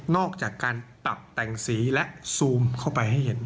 อกจากการปรับแต่งสีและซูมเข้าไปให้เห็น